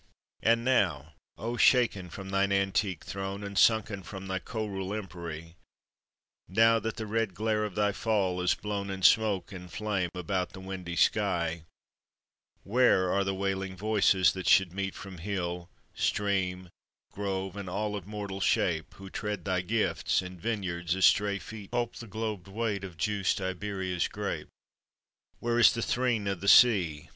And now, O shaken from thine antique throne, And sunken from thy coerule empery, Now that the red glare of thy fall is blown In smoke and flame about the windy sky, Where are the wailing voices that should meet From hill, stream, grove, and all of mortal shape Who tread thy gifts, in vineyards as stray feet Pulp the globed weight of juiced Iberia's grape? Where is the threne o' the sea?